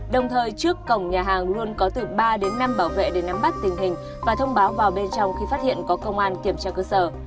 đồng thời trước cổng nhà hàng luôn có từ ba đến năm bảo vệ để nắm bắt tình hình và thông báo vào bên trong khi phát hiện có công an kiểm tra cơ sở